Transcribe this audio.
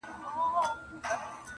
زموږ پاچا دی موږ په ټولو دی منلی؛